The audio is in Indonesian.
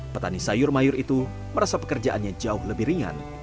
petani sayur mayur itu merasa pekerjaannya jauh lebih ringan